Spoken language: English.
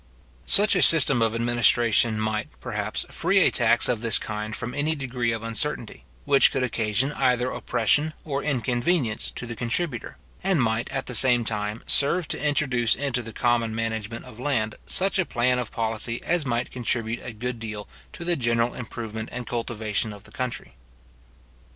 Such a system of administration might, perhaps, free a tax of this kind from any degree of uncertainty, which could occasion either oppression or inconveniency to the contributor; and might, at the same time, serve to introduce into the common management of land such a plan of policy as might contribute a good deal to the general improvement and good cultivation of the country.